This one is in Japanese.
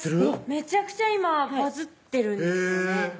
めちゃくちゃ今バズってるんですよね